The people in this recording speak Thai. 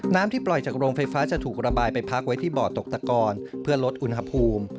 ที่ปล่อยจากโรงไฟฟ้าจะถูกระบายไปพักไว้ที่บ่อตกตะกอนเพื่อลดอุณหภูมิ